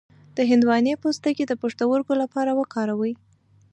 د هندواڼې پوستکی د پښتورګو لپاره وکاروئ